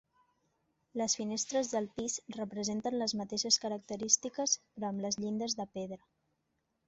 Les finestres del pis presenten les mateixes característiques, però amb les llindes de pedra.